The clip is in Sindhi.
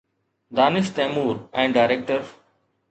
دانش تيمور ۽ ڊائريڪٽر